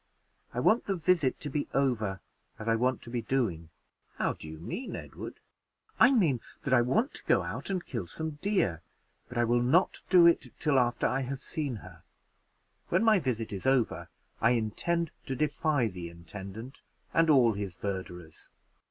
I want the visit to be over, as I want to be doing." "How do you mean, Edward?" "I mean that I want to go out and kill some deer, but I will not do it till after I have seen her: when I shall have acquitted myself of my visit, I intend to defy the intendant and all his verderers."